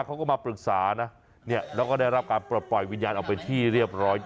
เขาก็มาปรึกษานะเนี่ยแล้วก็ได้รับการปลดปล่อยวิญญาณออกไปที่เรียบร้อย